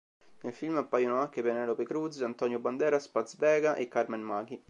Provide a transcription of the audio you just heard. Nel film appaiono anche Penélope Cruz, Antonio Banderas, Paz Vega e Carmen Machi.